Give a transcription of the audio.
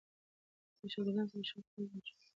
له ښاګردانو سره ښه خوي کوئ! او سینه مه ور ته تنګوئ!